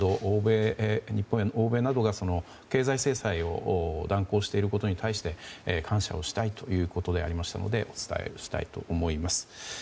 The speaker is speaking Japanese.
日本や欧米などが経済制裁を断行していることに対して感謝したいということでありましたのでお伝えをしたいと思います。